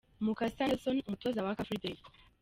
Mukasa Nelson umutoza wa Car Free day .